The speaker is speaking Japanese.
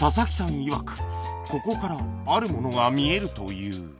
いわくここからあるものが見えるという